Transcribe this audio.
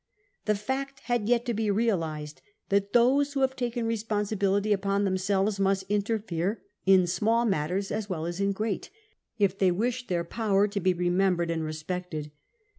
The fact had yet to be realised that those who have taken responsibility upon themselves must interfere in small matters as well as in great, if they wish their power to be remembered and respected.